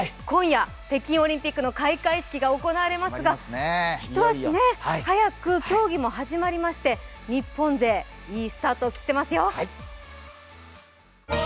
今夜北京オリンピックの開会式が行われますが一足早く競技も始まりまして、日本勢、いいスタートを切ってますよ。